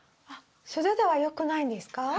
あっ素手ではよくないんですか？